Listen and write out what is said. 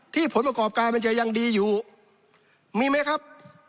ผลประกอบการมันจะยังดีอยู่มีไหมครับ